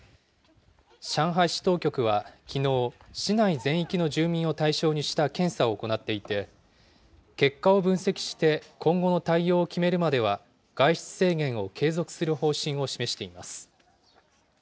上海市当局はきのう、市内全域の住民を対象にした検査を行っていて、結果を分析して今後の対応を決めるまでは、外出制限を継続する方針を示しています。